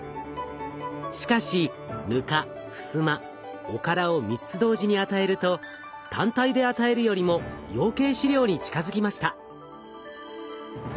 しかしぬかふすまおからを３つ同時に与えると単体で与えるよりも養鶏飼料に近づきました。